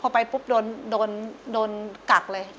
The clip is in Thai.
พอไปปุ๊บโดนกักเลย